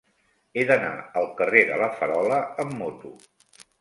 He d'anar al carrer de La Farola amb moto.